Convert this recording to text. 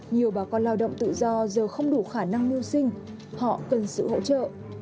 nhiều bà con lao động tự do giờ không đủ khả năng mưu sinh họ cần sự hỗ trợ